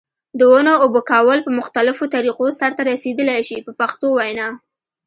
د ونو اوبه کول په مختلفو طریقو سرته رسیدلای شي په پښتو وینا.